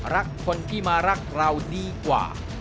รักคนที่มารักเราดีกว่า